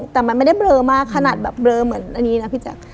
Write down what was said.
แต่มันไม่ได้เบลอมากขนาดแบบเบลอเหมือนอันนี้นะพี่แจ๊ค